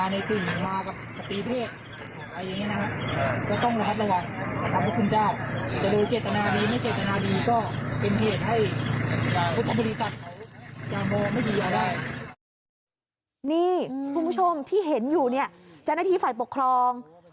นี่คุณผู้ชมที่เห็นอยู่เนี่ยเจ้าหน้าที่ฝ่ายปกครอง